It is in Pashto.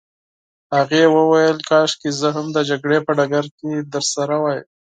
هغې وویل: کاشکې زه هم د جګړې په ډګر کي درسره وای.